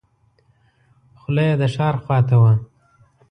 خوله یې د ښار خواته وه.